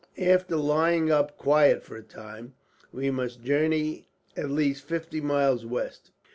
"After lying up quiet for a time, we must journey at least fifty miles west.